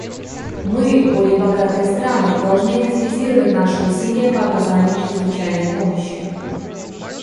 Мы, более богатые страны, должны активизировать наши усилия по оказанию чрезвычайной помощи.